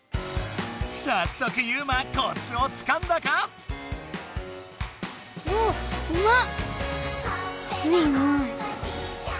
さっそくユウマコツをつかんだか⁉うおうまっ！